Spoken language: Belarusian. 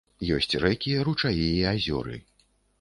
Ёсць рэкі, ручаі і азёры.